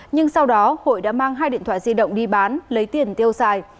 nhưng sau đó hội đã mang hai điện thoại di động đi bán lấy tiền tiêu xài